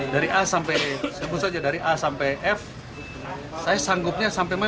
dari a sampai sebut saja dari a sampai f saya sanggupnya sampai mana